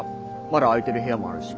まだ空いてる部屋もあるし。